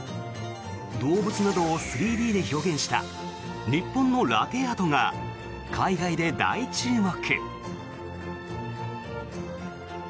動物などを３Ｄで表現した日本のラテアートが海外で大注目。